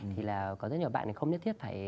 thì là có rất nhiều bạn thì không nhất thiết phải